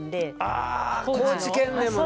あ高知県でもね。